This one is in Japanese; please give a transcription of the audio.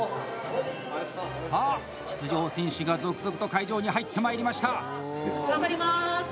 さあ、出場選手が続々と会場に入ってまいりました！